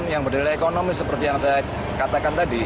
yang berdilai ekonomis seperti yang saya katakan tadi